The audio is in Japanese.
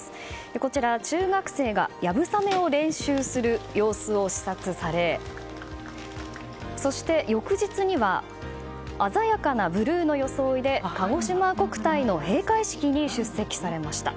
こちら、中学生が流鏑馬を練習する様子を視察され翌日には鮮やかなブルーの装いでかごしま国体の閉会式に出席されました。